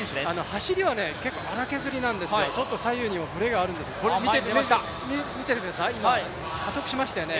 走りは荒削りなんですけど、左右にブレがあるんですが、見ていてください、今、加速しましたよね。